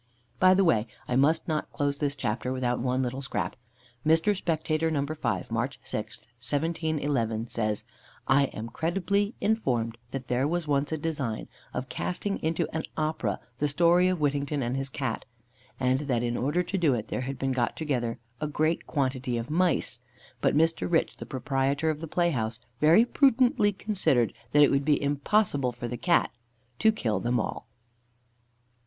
By the way, I must not close the chapter without one little scrap. Mr. Spectator, in No. 5, March 6, 1711, says: "I am credibly informed that there was once a design of casting into an opera the story of Whittington and his Cat, and that in order to do it there had been got together a great quantity of mice, but Mr. Rich, the proprietor of the playhouse, very prudently considered that it would be impossible for the Cat to kill them all."